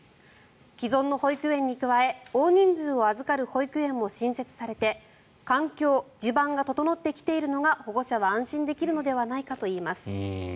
既存の保育園に加え大人数を預かる保育園も新設されて環境、地盤が整ってきているのが保護者は安心できるのではないかといいます。